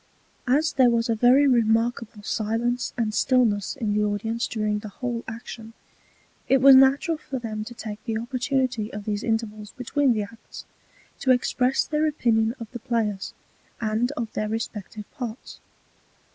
As there was a very remarkable Silence and Stillness in the Audience during the whole Action, it was natural for them to take the Opportunity of these Intervals between the Acts, to express their Opinion of the Players, and of their respective Parts.